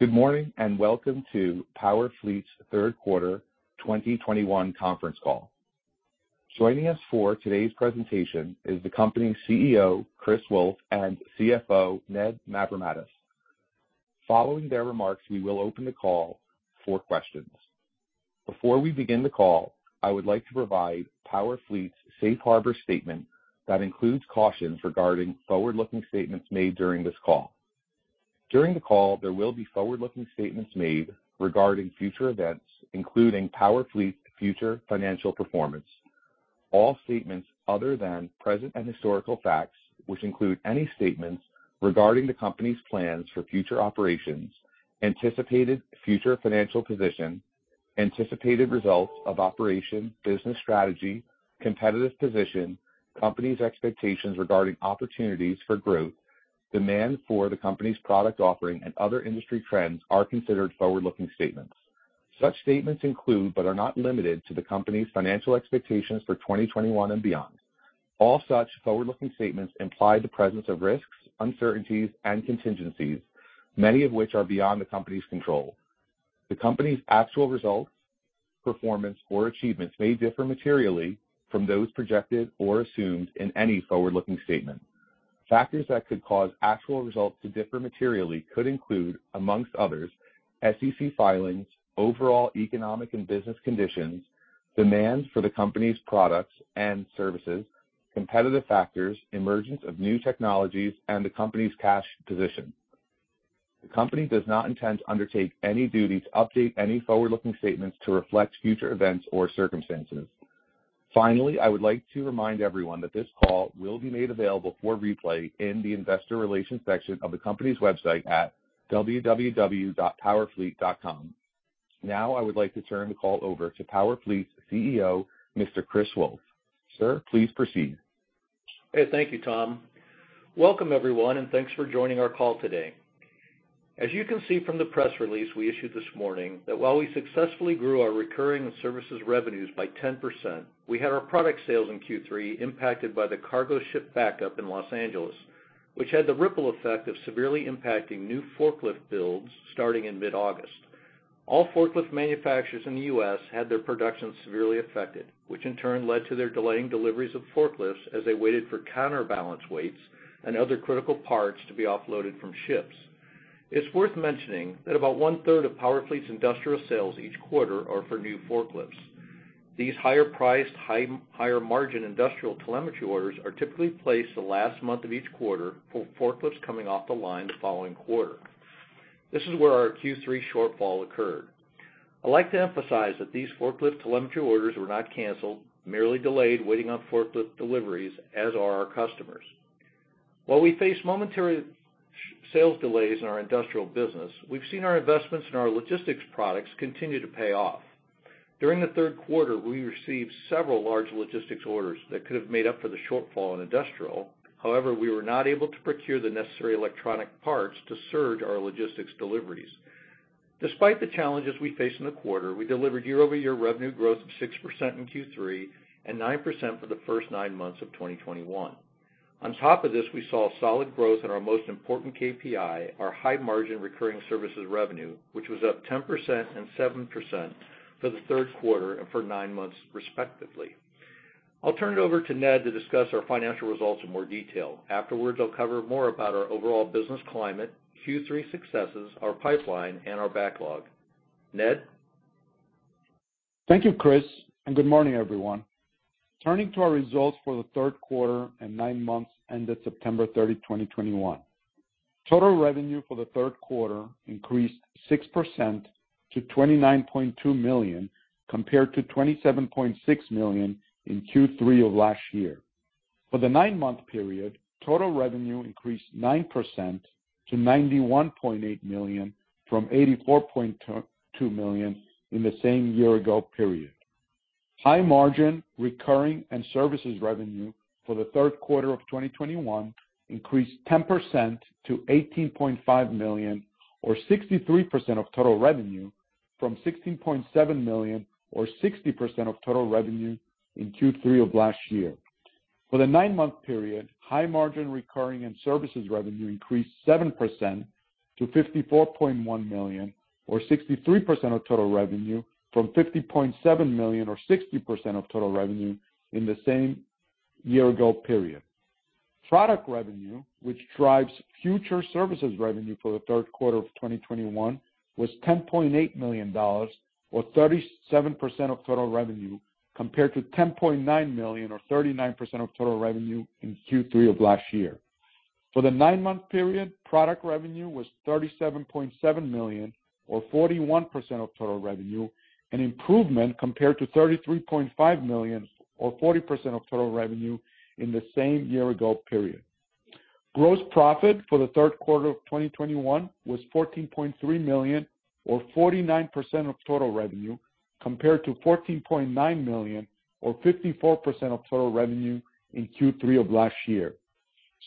Good morning, and welcome to PowerFleet's third quarter 2021 conference call. Joining us for today's presentation is the company's CEO, Chris Wolfe, and CFO, Ned Mavrommatis. Following their remarks, we will open the call for questions. Before we begin the call, I would like to provide PowerFleet's safe harbor statement that includes cautions regarding forward-looking statements made during this call. During the call, there will be forward-looking statements made regarding future events, including PowerFleet's future financial performance. All statements other than present and historical facts, which include any statements regarding the company's plans for future operations, anticipated future financial position, anticipated results of operation, business strategy, competitive position, company's expectations regarding opportunities for growth, demand for the company's product offering, and other industry trends are considered forward-looking statements. Such statements include, but are not limited to, the company's financial expectations for 2021 and beyond. All such forward-looking statements imply the presence of risks, uncertainties, and contingencies, many of which are beyond the company's control. The company's actual results, performance, or achievements may differ materially from those projected or assumed in any forward-looking statement. Factors that could cause actual results to differ materially could include, among others, SEC filings, overall economic and business conditions, demands for the company's products and services, competitive factors, emergence of new technologies, and the company's cash position. The company does not intend to undertake any duty to update any forward-looking statements to reflect future events or circumstances. Finally, I would like to remind everyone that this call will be made available for replay in the investor relations section of the company's website at www.powerfleet.com. Now, I would like to turn the call over to PowerFleet's CEO, Mr. Chris Wolfe. Sir, please proceed. Hey, thank you, Tom. Welcome, everyone, and thanks for joining our call today. As you can see from the press release we issued this morning that while we successfully grew our recurring and services revenues by 10%, we had our product sales in Q3 impacted by the cargo ship backup in Los Angeles, which had the ripple effect of severely impacting new forklift builds starting in mid-August. All forklift manufacturers in the U.S. had their production severely affected, which in turn led to their delaying deliveries of forklifts as they waited for counterbalance weights and other critical parts to be offloaded from ships. It's worth mentioning that about 1/3 of PowerFleet's industrial sales each quarter are for new forklifts. These higher-priced, higher-margin industrial telemetry orders are typically placed the last month of each quarter for forklifts coming off the line the following quarter. This is where our Q3 shortfall occurred. I'd like to emphasize that these forklift telemetry orders were not canceled, merely delayed, waiting on forklift deliveries, as are our customers. While we face momentary short-term sales delays in our industrial business, we've seen our investments in our logistics products continue to pay off. During the third quarter, we received several large logistics orders that could have made up for the shortfall in industrial. However, we were not able to procure the necessary electronic parts to surge our logistics deliveries. Despite the challenges we faced in the quarter, we delivered year-over-year revenue growth of 6% in Q3 and 9% for the first nine months of 2021. On top of this, we saw solid growth in our most important KPI, our high-margin recurring services revenue, which was up 10% and 7% for the third quarter and for nine months, respectively. I'll turn it over to Ned to discuss our financial results in more detail. Afterwards, I'll cover more about our overall business climate, Q3 successes, our pipeline, and our backlog. Ned? Thank you, Chris, and good morning, everyone. Turning to our results for the third quarter and nine months ended 30th September 2021. Total revenue for the third quarter increased 6% to $29.2 million, compared to $27.6 million in Q3 of last year. For the nine-month period, total revenue increased 9% to $91.8 million from $84.2 million in the same year-ago period. High margin recurring and services revenue for the third quarter of 2021 increased 10% to $18.5 million or 63% of total revenue from $16.7 million or 60% of total revenue in Q3 of last year. For the 9-month period, high-margin recurring and services revenue increased 7% to $54.1 million or 63% of total revenue from $50.7 million or 60% of total revenue in the same year-ago period. Product revenue, which drives future services revenue for the third quarter of 2021, was $10.8 million or 37% of total revenue, compared to $10.9 million or 39% of total revenue in Q3 of last year. For the 9-month period, product revenue was $37.7 million or 41% of total revenue, an improvement compared to $33.5 million or 40% of total revenue in the same year-ago period. Gross profit for the third quarter of 2021 was $14.3 million or 49% of total revenue, compared to $14.9 million or 54% of total revenue in Q3 of last year.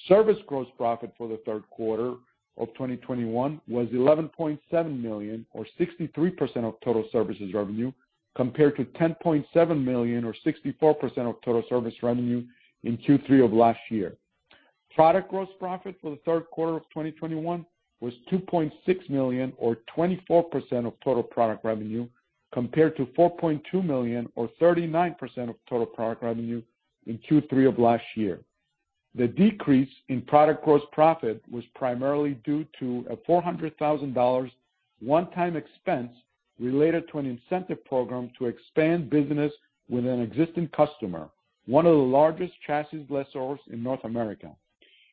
Service gross profit for the third quarter of 2021 was $11.7 million or 63% of total services revenue, compared to $10.7 million or 64% of total service revenue in Q3 of last year. Product gross profit for the third quarter of 2021 was $2.6 million or 24% of total product revenue, compared to $4.2 million or 39% of total product revenue in Q3 of last year. The decrease in product gross profit was primarily due to a $400,000 one-time expense related to an incentive program to expand business with an existing customer, one of the largest chassis lessors in North America.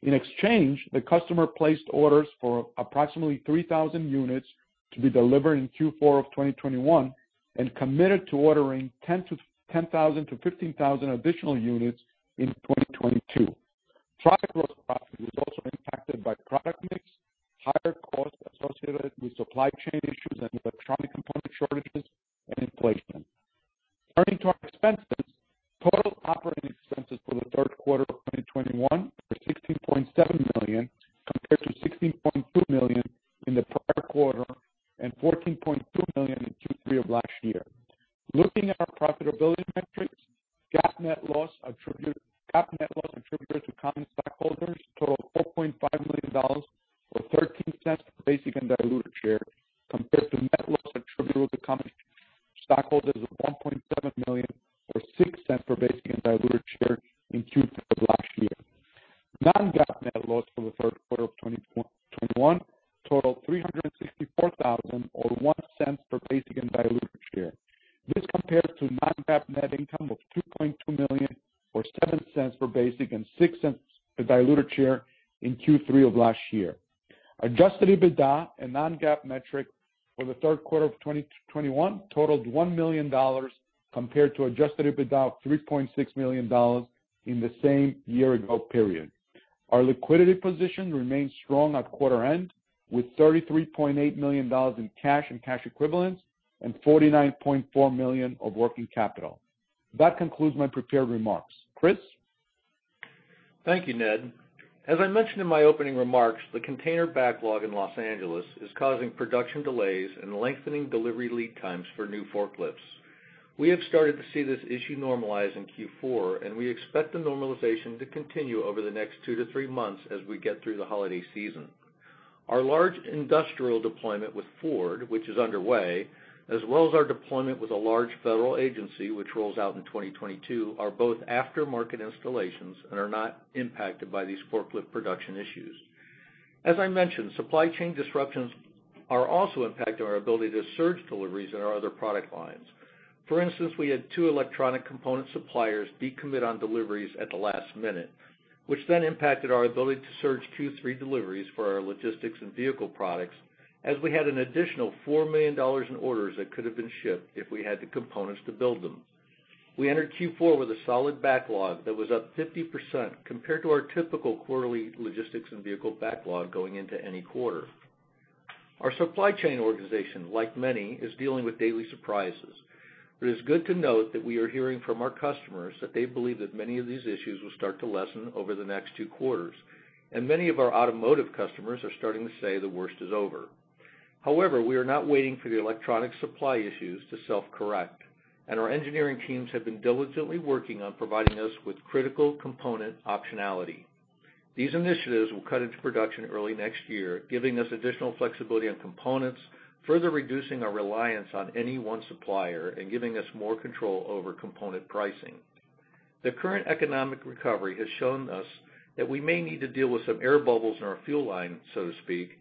In exchange, the customer placed orders for approximately 3,000 units to be delivered in Q4 of 2021 and committed to ordering 10,000-15,000 additional units in 2022. Product gross profit was also impacted by product mix, higher costs associated with supply chain issues and electronic component shortages, and inflation. Turning to our expenses. Total operating expenses for the third quarter of 2021 were $16.7 million compared to $16.2 million in the prior quarter and $14.2 million in Q3 of last year. Looking at our profitability metrics, GAAP net loss attributed to common stockholders totaled $4.5 million or $0.13 per basic and diluted share, compared to net loss attributable to common stockholders of $1.7 million or $0.06 per basic and diluted share in Q3 of last year. Non-GAAP net loss for the third quarter of 2021 totaled $364 thousand or $0.01 per basic and diluted share. This compares to non-GAAP net income of $2.2 million or $0.07 per basic and $0.06 per diluted share in Q3 of last year. Adjusted EBITDA, a non-GAAP metric, for the third quarter of 2021 totaled $1 million compared to adjusted EBITDA of $3.6 million in the same year ago period. Our liquidity position remains strong at quarter end, with $33.8 million in cash and cash equivalents and $49.4 million of working capital. That concludes my prepared remarks. Chris? Thank you, Ned. As I mentioned in my opening remarks, the container backlog in Los Angeles is causing production delays and lengthening delivery lead times for new forklifts. We have started to see this issue normalize in Q4, and we expect the normalization to continue over the next two to three months as we get through the holiday season. Our large industrial deployment with Ford, which is underway, as well as our deployment with a large federal agency, which rolls out in 2022, are both after-market installations and are not impacted by these forklift production issues. As I mentioned, supply chain disruptions are also impacting our ability to surge deliveries in our other product lines. For instance, we had two electronic component suppliers decommit on deliveries at the last minute, which then impacted our ability to surge Q3 deliveries for our logistics and vehicle products as we had an additional $4 million in orders that could have been shipped if we had the components to build them. We entered Q4 with a solid backlog that was up 50% compared to our typical quarterly logistics and vehicle backlog going into any quarter. Our supply chain organization, like many, is dealing with daily surprises. It is good to note that we are hearing from our customers that they believe that many of these issues will start to lessen over the next two quarters. Many of our automotive customers are starting to say the worst is over. However, we are not waiting for the electronic supply issues to self-correct, and our engineering teams have been diligently working on providing us with critical component optionality. These initiatives will cut into production early next year, giving us additional flexibility on components, further reducing our reliance on any one supplier, and giving us more control over component pricing. The current economic recovery has shown us that we may need to deal with some air bubbles in our fuel line, so to speak,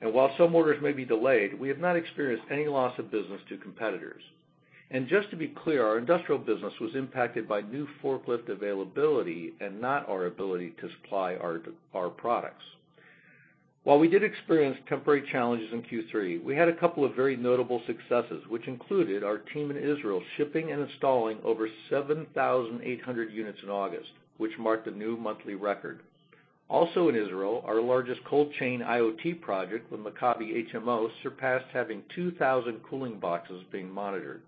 and while some orders may be delayed, we have not experienced any loss of business to competitors. Just to be clear, our industrial business was impacted by new forklift availability and not our ability to supply our products. While we did experience temporary challenges in Q3, we had a couple of very notable successes, which included our team in Israel shipping and installing over 7,800 units in August, which marked a new monthly record. Also in Israel, our largest cold chain IoT project with Maccabi HMO surpassed having 2,000 cooling boxes being monitored.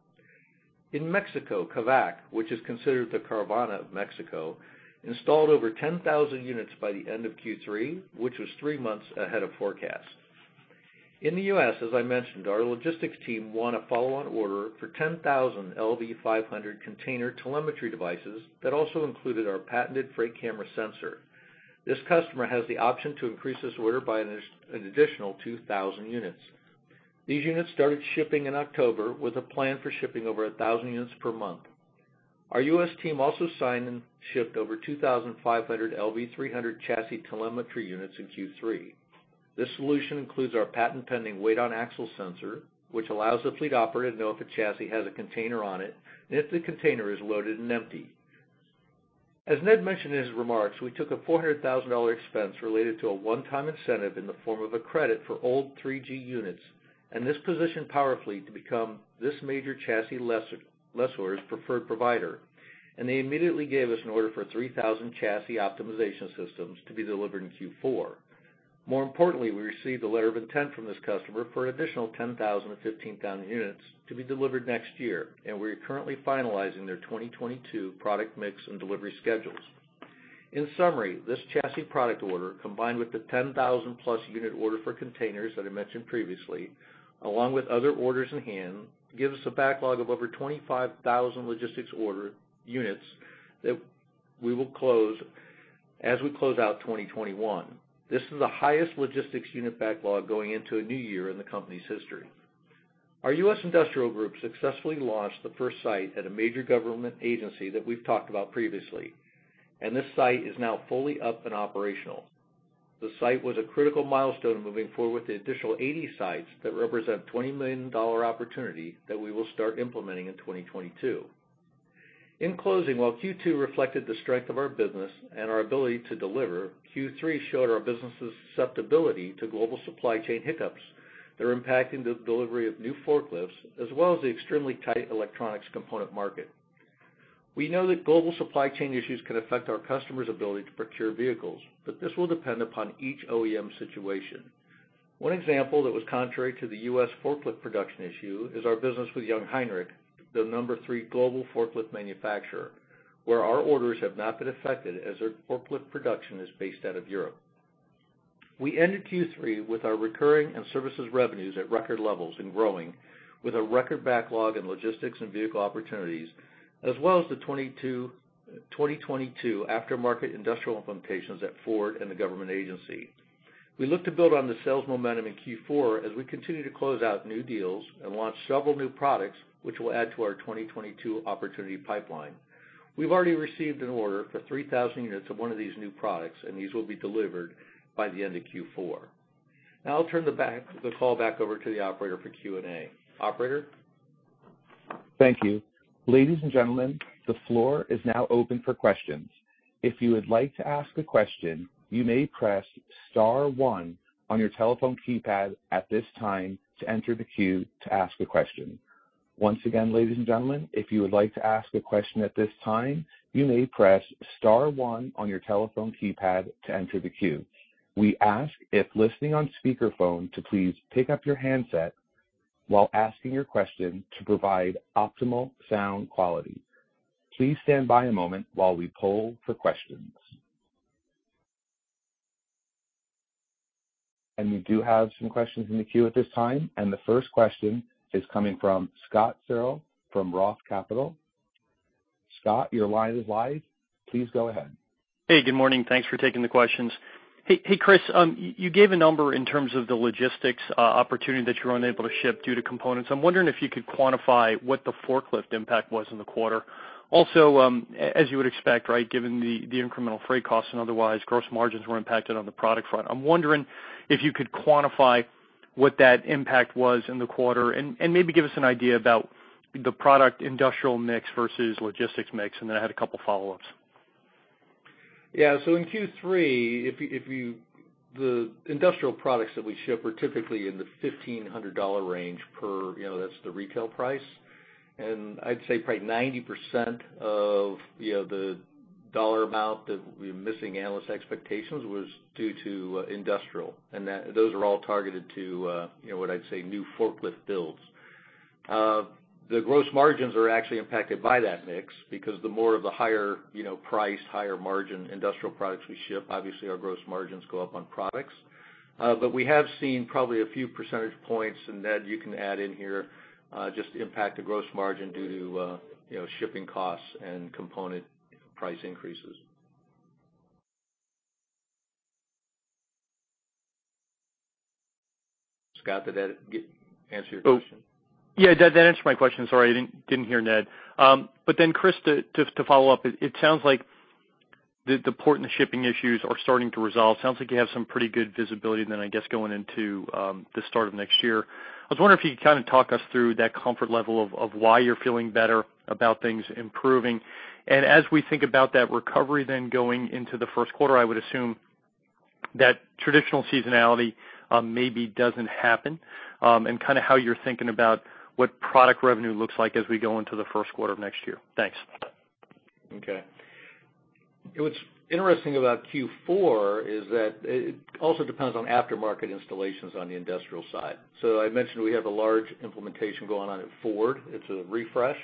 In Mexico, Kavak, which is considered the Carvana of Mexico, installed over 10,000 units by the end of Q3, which was three months ahead of forecast. In the U.S., as I mentioned, our logistics team won a follow-on order for 10,000 LV-500 container telemetry devices that also included our patented freight camera sensor. This customer has the option to increase this order by an additional 2,000 units. These units started shipping in October with a plan for shipping over 1,000 units per month. Our U.S. team also signed and shipped over 2,500 LV-300 chassis telemetry units in Q3. This solution includes our patent-pending weight-on-axle sensor, which allows the fleet operator to know if a chassis has a container on it and if the container is loaded and empty. As Ned mentioned in his remarks, we took a $400,000 expense related to a one-time incentive in the form of a credit for old 3G units, and this positioned PowerFleet to become this major chassis lessor's preferred provider. They immediately gave us an order for 3,000 chassis optimization systems to be delivered in Q4. More importantly, we received a letter of intent from this customer for an additional 10,000-15,000 units to be delivered next year, and we're currently finalizing their 2022 product mix and delivery schedules. In summary, this chassis product order, combined with the 10,000-plus unit order for containers that I mentioned previously, along with other orders in hand, gives us a backlog of over 25,000 logistics order units that we will close as we close out 2021. This is the highest logistics unit backlog going into a new year in the company's history. Our U.S. Industrial group successfully launched the first site at a major government agency that we've talked about previously, and this site is now fully up and operational. The site was a critical milestone moving forward with the additional 80 sites that represent $20 million opportunity that we will start implementing in 2022. In closing, while Q2 reflected the strength of our business and our ability to deliver, Q3 showed our business' susceptibility to global supply chain hiccups that are impacting the delivery of new forklifts as well as the extremely tight electronics component market. We know that global supply chain issues can affect our customers' ability to procure vehicles, but this will depend upon each OEM situation. One example that was contrary to the U.S. forklift production issue is our business with Jungheinrich, the number three global forklift manufacturer, where our orders have not been affected as their forklift production is based out of Europe. We ended Q3 with our recurring and services revenues at record levels and growing with a record backlog in logistics and vehicle opportunities, as well as the 2022 aftermarket industrial implementations at Ford and the government agency. We look to build on the sales momentum in Q4 as we continue to close out new deals and launch several new products which will add to our 2022 opportunity pipeline. We've already received an order for 3,000 units of one of these new products, and these will be delivered by the end of Q4. Now I'll turn the call back over to the operator for Q&A. Operator? Thank you. Ladies and gentlemen, the floor is now open for questions. If you would like to ask a question, you may press star one on your telephone keypad at this time to enter the queue to ask a question. Once again, ladies and gentlemen, if you would like to ask a question at this time, you may press star one on your telephone keypad to enter the queue. We ask those listening on speakerphone to please pick up your handset while asking your question to provide optimal sound quality. Please stand by a moment while we poll for questions. We do have some questions in the queue at this time, and the first question is coming from Scott Searle from Roth Capital. Scott, your line is live. Please go ahead. Hey, good morning. Thanks for taking the questions. Hey, Chris, you gave a number in terms of the logistics opportunity that you were unable to ship due to components. I'm wondering if you could quantify what the forklift impact was in the quarter. Also, as you would expect, right, given the incremental freight costs and otherwise, gross margins were impacted on the product front. I'm wondering if you could quantify what that impact was in the quarter and maybe give us an idea about the product industrial mix versus logistics mix, and then I had a couple of follow-ups. Yeah. In Q3, if you -- the industrial products that we ship are typically in the $1,500 range per, you know, that's the retail price. I'd say probably 90% of, you know, the dollar amount that we're missing analyst expectations was due to industrial, and that those are all targeted to, you know, what I'd say new forklift builds. The gross margins are actually impacted by that mix because the more of the higher, you know, price, higher margin industrial products we ship, obviously our gross margins go up on products. But we have seen probably a few percentage points, and Ned, you can add in here just the impact to gross margin due to, you know, shipping costs and component price increases. Scott, did that answer your question? Yeah, that answered my question. Sorry, I didn't hear Ned. Then Chris, to follow up, it sounds like the port and the shipping issues are starting to resolve. Sounds like you have some pretty good visibility then, I guess, going into the start of next year. I was wondering if you could kind of talk us through that comfort level of why you're feeling better about things improving. As we think about that recovery then going into the first quarter, I would assume that traditional seasonality maybe doesn't happen, and kind of how you're thinking about what product revenue looks like as we go into the first quarter of next year. Thanks. Okay. What's interesting about Q4 is that it also depends on aftermarket installations on the industrial side. I mentioned we have a large implementation going on at Ford. It's a refresh.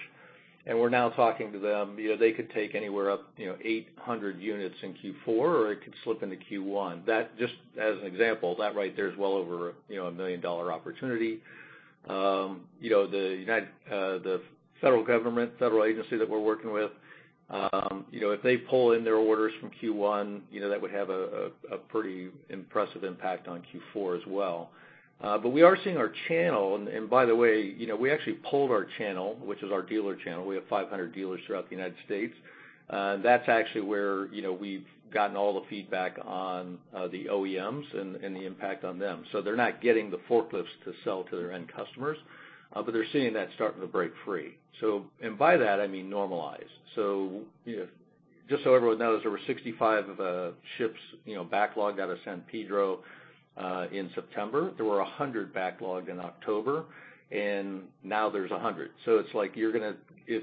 We're now talking to them. You know, they could take anywhere up, you know, 800 units in Q4, or it could slip into Q1. That, just as an example, right there is well over, you know, $1 million opportunity. You know, the federal government, federal agency that we're working with, you know, if they pull in their orders from Q1, you know, that would have a pretty impressive impact on Q4 as well. We are seeing our channel, and by the way, you know, we actually polled our channel, which is our dealer channel. We have 500 dealers throughout the United States. That's actually where, you know, we've gotten all the feedback on the OEMs and the impact on them. They're not getting the forklifts to sell to their end customers, but they're seeing that starting to break free. By that, I mean normalized. Just so everyone knows, there were 65 ships, you know, backlogged out of San Pedro in September. There were 100 backlogged in October, and now there's 100. It's like if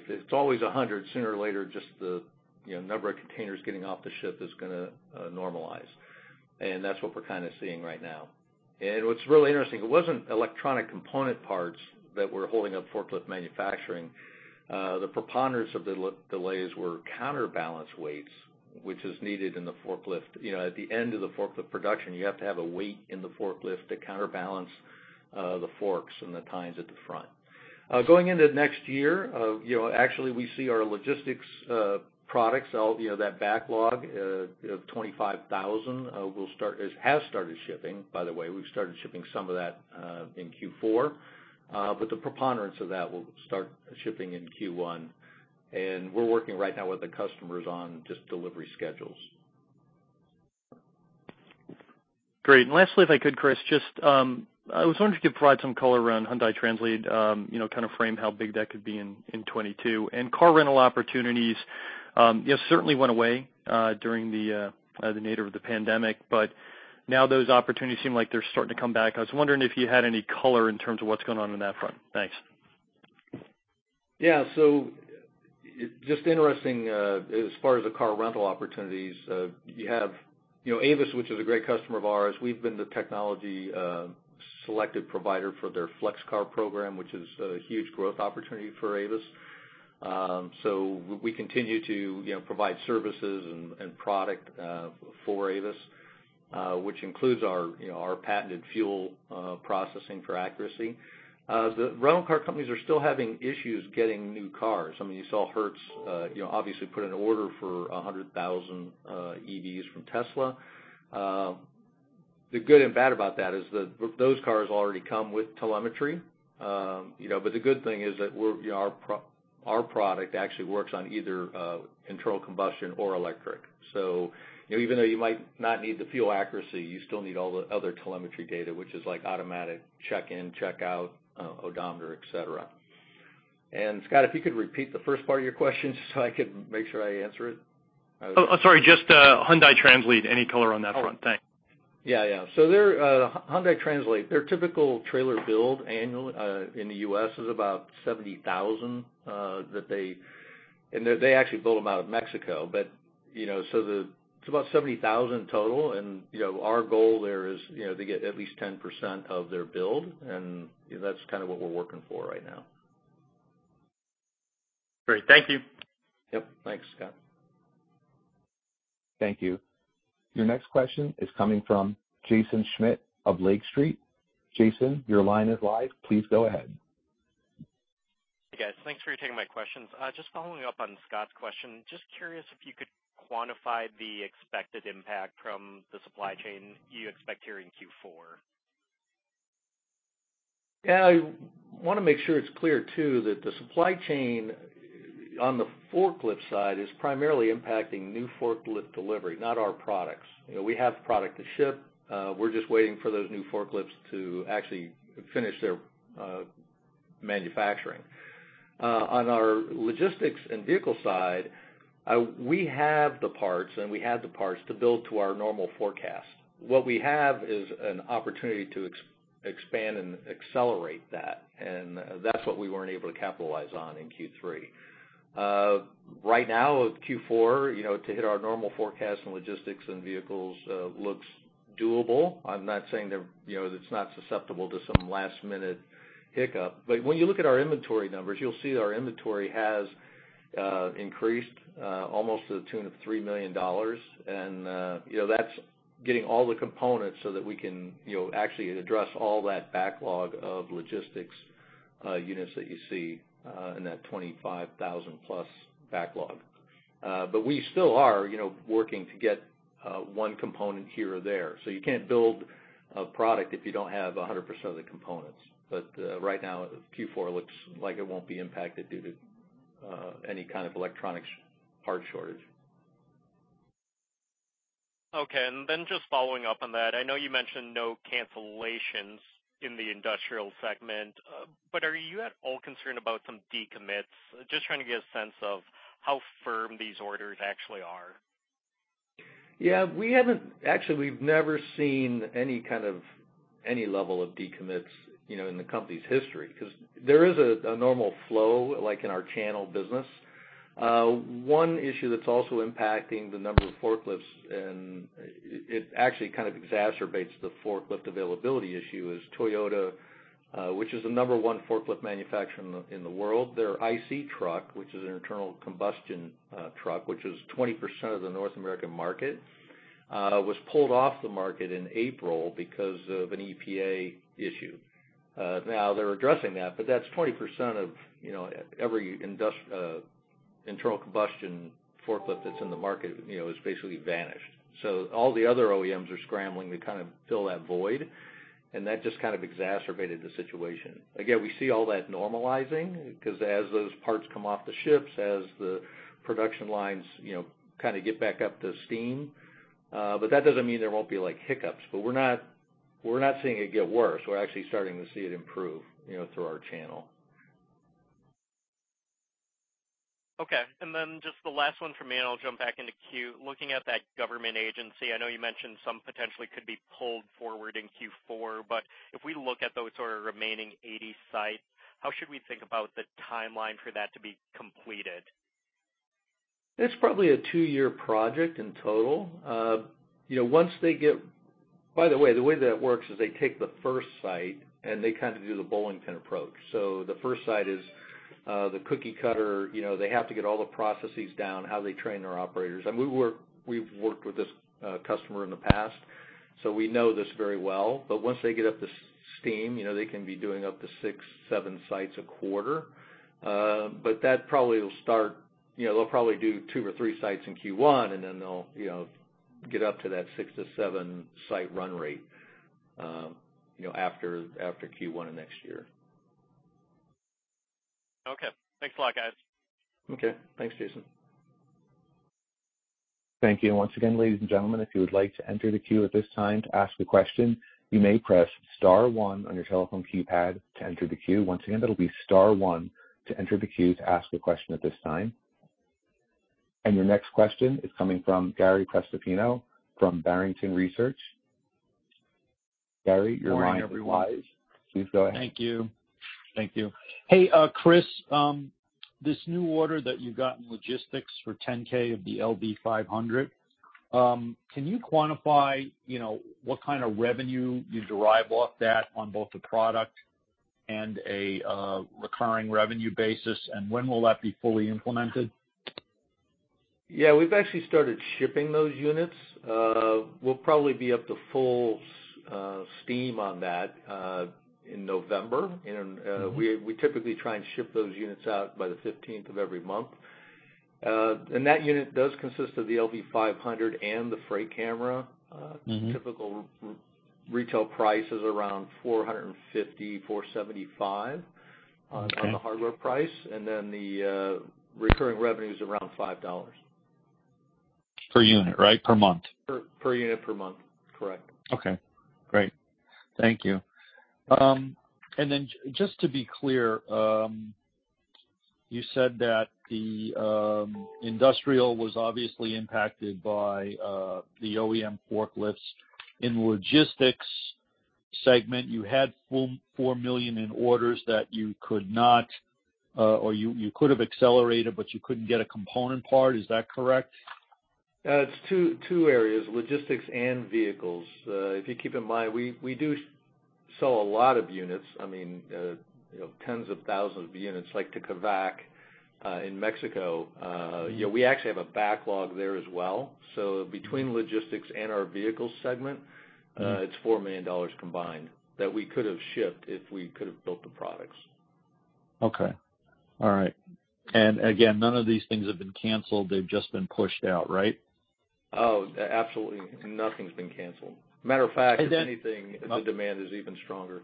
it's always 100, sooner or later, just the, you know, number of containers getting off the ship is gonna normalize. That's what we're kind of seeing right now. What's really interesting, it wasn't electronic component parts that were holding up forklift manufacturing. The preponderance of the delays were counterbalance weights, which is needed in the forklift. You know, at the end of the forklift production, you have to have a weight in the forklift to counterbalance the forks and the tines at the front. Going into next year, you know, actually we see our logistics products, all you know that backlog, 25,000 will start, has started shipping, by the way. We've started shipping some of that in Q4. But the preponderance of that will start shipping in Q1, and we're working right now with the customers on just delivery schedules. Great. Lastly, if I could, Chris, just, I was wondering if you could provide some color around Hyundai Translead, you know, kind of frame how big that could be in 2022. Car rental opportunities, you know, certainly went away during the nadir of the pandemic, but now those opportunities seem like they're starting to come back. I was wondering if you had any color in terms of what's going on that front. Thanks. Yeah. Just interesting as far as the car rental opportunities, you have, you know, Avis, which is a great customer of ours. We've been the technology selected provider for their Flexcar program, which is a huge growth opportunity for Avis. We continue to, you know, provide services and product for Avis, which includes our, you know, our patented fuel processing for accuracy. The rental car companies are still having issues getting new cars. I mean, you saw Hertz, you know, obviously put an order for 100,000 EVs from Tesla. The good and bad about that is that those cars already come with telemetry. You know, the good thing is that we're, you know, our product actually works on either internal combustion or electric. You know, even though you might not need the fuel accuracy, you still need all the other telemetry data, which is like automatic check-in, check-out, odometer, et cetera. Scott, if you could repeat the first part of your question so I could make sure I answer it. Oh, I'm sorry, just, Hyundai Translead, any color on that front? Thanks. Their Hyundai Translead, their typical trailer build annual in the U.S. is about 70,000. They actually build them out of Mexico, but you know it's about 70,000 total. Our goal there is, you know, to get at least 10% of their build, and that's kind of what we're working for right now. Great. Thank you. Yep. Thanks, Scott. Thank you. Your next question is coming from Jaeson Schmidt of Lake Street. Jaeson, your line is live. Please go ahead. Hey, guys. Thanks for taking my questions. Just following up on Scott's question, just curious if you could quantify the expected impact from the supply chain you expect here in Q4. Yeah. I wanna make sure it's clear too that the supply chain on the forklift side is primarily impacting new forklift delivery, not our products. You know, we have product to ship. We're just waiting for those new forklifts to actually finish their manufacturing. On our logistics and vehicle side, we have the parts to build to our normal forecast. What we have is an opportunity to expand and accelerate that, and that's what we weren't able to capitalize on in Q3. Right now with Q4, you know, to hit our normal forecast in logistics and vehicles looks doable. I'm not saying they're, you know, it's not susceptible to some last-minute hiccup. When you look at our inventory numbers, you'll see that our inventory has increased almost to the tune of $3 million. You know, that's getting all the components so that we can, you know, actually address all that backlog of logistics units that you see in that 25,000+ backlog. We still are, you know, working to get one component here or there. You can't build a product if you don't have 100% of the components. Right now, Q4 looks like it won't be impacted due to any kind of electronics part shortage. Okay. Just following up on that, I know you mentioned no cancellations in the industrial segment. Are you at all concerned about some decommits? Just trying to get a sense of how firm these orders actually are. Yeah. Actually, we've never seen any kind of level of decommits, you know, in the company's history 'cause there is a normal flow like in our channel business. One issue that's also impacting the number of forklifts, and it actually kind of exacerbates the forklift availability issue is Toyota, which is the number one forklift manufacturer in the world. Their IC truck, which is an internal combustion truck, which is 20% of the North American market, was pulled off the market in April because of an EPA issue. Now they're addressing that, but that's 20% of, you know, every internal combustion forklift that's in the market, you know, has basically vanished. All the other OEMs are scrambling to kind of fill that void, and that just kind of exacerbated the situation. Again, we see all that normalizing because as those parts come off the ships, as the production lines, you know, kind of get back up to steam. But that doesn't mean there won't be like hiccups, but we're not seeing it get worse. We're actually starting to see it improve, you know, through our channel. Okay. Just the last one from me, and I'll jump back into queue. Looking at that government agency, I know you mentioned some potentially could be pulled forward in Q4, but if we look at those sort of remaining 80 sites, how should we think about the timeline for that to be completed? It's probably a two-year project in total. You know, once they get by the way, the way that works is they take the first site, and they kind of do the bowling pin approach. The first site is the cookie cutter. You know, they have to get all the processes down, how they train their operators. We've worked with this customer in the past, so we know this very well. But once they get up to steam, you know, they can be doing up to six or seven sites a quarter. That probably will start, you know, they'll probably do two or three sites in Q1, and then they'll get up to that 6-7 site run rate, you know, after Q1 of next year. Okay. Thanks a lot, guys. Okay. Thanks, Jaeson. Thank you. Once again, ladies and gentlemen, if you would like to enter the queue at this time to ask a question, you may press star one on your telephone keypad to enter the queue. Once again, that'll be star one to enter the queue to ask a question at this time. Your next question is coming from Gary Prestopino from Barrington Research. Gary, your line is open. Morning, everyone. Please go ahead. Thank you. Hey, Chris, this new order that you got in logistics for 10,000 of the LV-500, can you quantify, you know, what kind of revenue you derive off that on both the product and a recurring revenue basis, and when will that be fully implemented? Yeah. We've actually started shipping those units. We'll probably be up to full steam on that in November. We typically try and ship those units out by the fifteenth of every month. That unit does consist of the LV-500 and the FreightCam. Mm-hmm. Typical retail price is around $450-$475. Okay. On the hardware price, and then the recurring revenue is around $5. Per unit, right? Per month. Per unit per month, correct. Okay, great. Thank you. Just to be clear, you said that the industrial was obviously impacted by the OEM forklifts. In logistics segment, you had $4 million in orders that you could not or you could have accelerated, but you couldn't get a component part. Is that correct? It's two areas, logistics and vehicles. If you keep in mind, we do sell a lot of units. I mean, you know, tens of thousands of units, like to Kavak, in Mexico. You know, we actually have a backlog there as well. Between logistics and our vehicles segment Mm-hmm. It's $4 million combined that we could have shipped if we could have built the products. Okay. All right. Again, none of these things have been canceled, they've just been pushed out, right? Oh, absolutely nothing's been canceled. Matter of fact- And then- If anything, the demand is even stronger.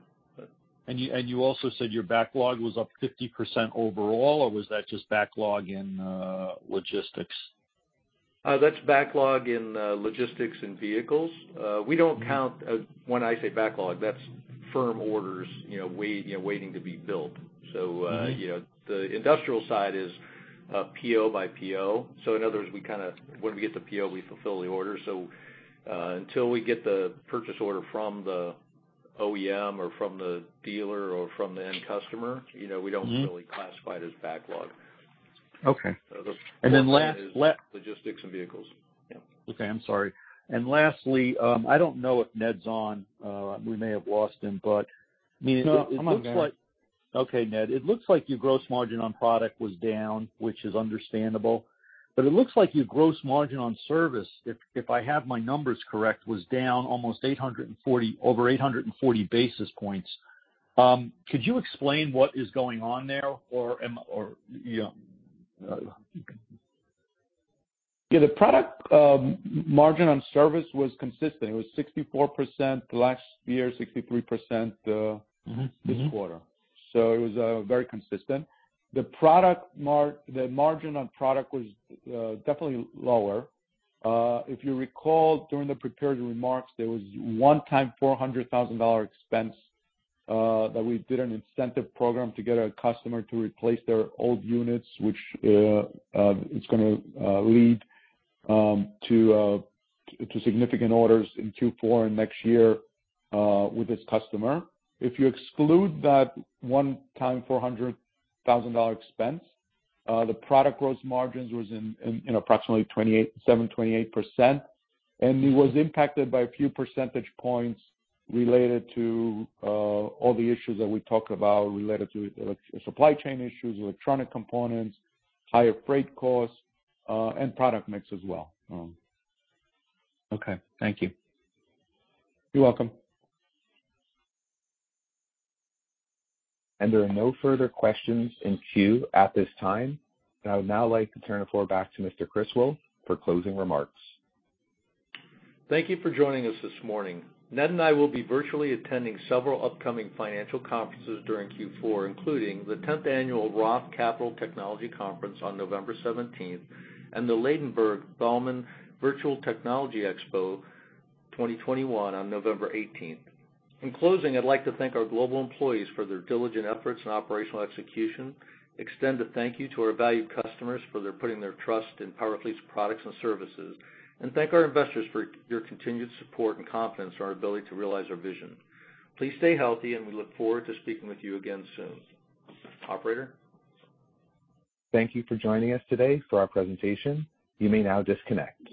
You also said your backlog was up 50% overall, or was that just backlog in logistics? That's backlog in logistics and vehicles. We don't count. When I say backlog, that's firm orders, you know, waiting to be built. Mm-hmm. You know, the industrial side is PO by PO. In other words, we kinda, when we get the PO, we fulfill the order. Until we get the purchase order from the OEM or from the dealer or from the end customer, you know- Mm-hmm. We don't really classify it as backlog. Okay. The backlog is. Last. Logistics and vehicles. Yeah. Okay, I'm sorry. Lastly, I don't know if Ned's on. We may have lost him, but I mean, it looks like. No, I'm on, Gary. Okay, Ned. It looks like your gross margin on product was down, which is understandable, but it looks like your gross margin on service, if I have my numbers correct, was down almost 840, over 840 basis points. Could you explain what is going on there, or you know, you can- Yeah. The product margin on service was consistent. It was 64% last year, 63%. Mm-hmm, mm-hmm This quarter. It was very consistent. The margin on product was definitely lower. If you recall, during the prepared remarks, there was one-time $400,000 expense that we did an incentive program to get a customer to replace their old units, which it's gonna lead to significant orders in Q4 and next year with this customer. If you exclude that one-time $400,000 expense, the product gross margins was in approximately 28.7%, and it was impacted by a few percentage points related to all the issues that we talked about related to the supply chain issues, electronic components, higher freight costs, and product mix as well. Okay. Thank you. You're welcome. There are no further questions in queue at this time. I would now like to turn the floor back to Mr. Wolfe for closing remarks. Thank you for joining us this morning. Ned and I will be virtually attending several upcoming financial conferences during Q4, including the 10th annual Roth Technology Conference on 17th November and the Ladenburg Thalmann Virtual Technology Expo 2021 on November 18. In closing, I'd like to thank our global employees for their diligent efforts and operational execution, extend a thank you to our valued customers for putting their trust in PowerFleet's products and services, and thank our investors for your continued support and confidence in our ability to realize our vision. Please stay healthy, and we look forward to speaking with you again soon. Operator? Thank you for joining us today for our presentation. You may now disconnect.